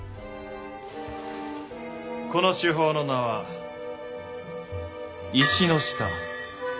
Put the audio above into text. この手法の名は「石の下」。